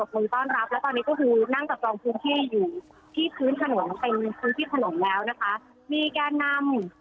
พี่การน้องหลังกับลองเขี่ยงอยู่ที่การฝึกข้างน้ำ